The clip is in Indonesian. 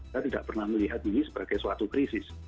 saya tidak pernah melihat ini sebagai suatu krisis